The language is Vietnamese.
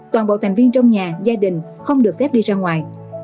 toàn bộ thành viên trong nhà gia đình không được cách ly ra ngoài